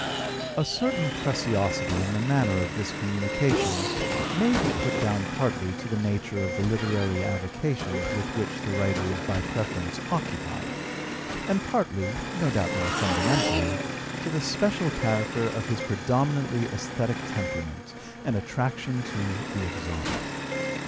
A certain preciosity in the manner of this communication may be put down partly to the nature of the literary avocations with which the writer is by preference occupied, and partly, no doubt more fundamentally, to the special character of his predominantly esthetic temperament and attraction to the exotic.